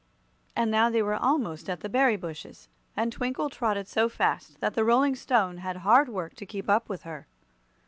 And now they were almost at the berry bushes, and Twinkle trotted so fast that the Rolling Stone had hard work to keep up with her.